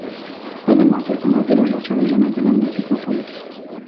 Además, están las diversas tradiciones de la música folk.